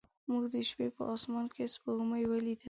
موږ د شپې په اسمان کې سپوږمۍ ولیده.